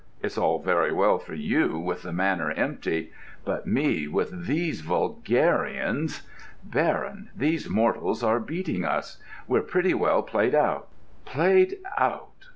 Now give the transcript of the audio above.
It's all very well for you, with the Manor empty;—but me, with these vulgarians!... Baron, these mortals are beating us: we're pretty well played out. 'Played out!